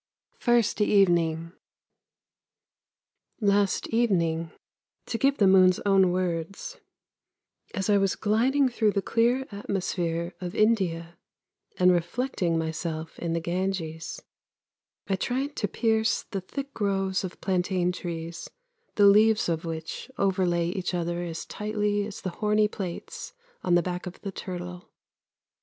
FIRST EVENING " Last evening," to give the moon's own words, " as I was gliding through the clear atmosphere of India, and reflecting myself in the Ganges, I tried to pierce the thick groves of plantain trees the leaves of which overlay each other as tightly as the horny plates on the back of the turtle.